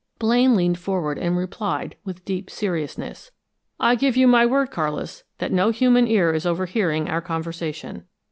Blaine leaned forward and replied with deep seriousness. "I give you my word, Carlis, that no human ear is overhearing our conversation."